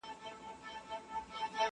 زه به دا توري سترګي چیري بدلومه.!